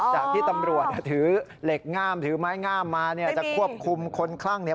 จากที่ตำรวจถือเหล็กง่ามถือไม้งามมาเนี่ยจะควบคุมคนคลั่งเนี่ย